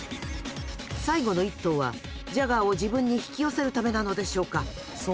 最後の一頭はジャガーを自分に引き寄せるためなのでしょうか。